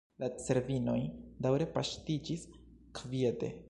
La cervinoj daŭre paŝtiĝis kviete.